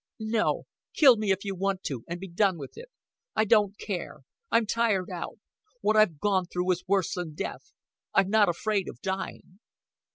"No. Kill me, if you want to, and be done with it. I don't care I'm tired out. What I've gone through was worse than death. I'm not afraid of dying."